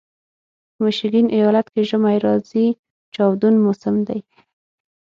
د میشیګن ایالت کې ژمی زارې چاودون موسم دی.